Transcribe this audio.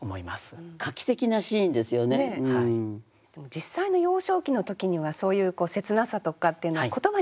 実際の幼少期の時にはそういう切なさとかっていうのは言葉にできませんよね。